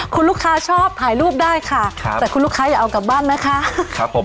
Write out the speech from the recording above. คุณลูกค้าชอบถ่ายรูปได้ค่ะครับแต่คุณลูกค้าอย่าเอากลับบ้านไหมคะครับผม